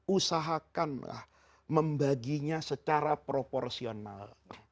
usahakanlah membaginya secara proporsional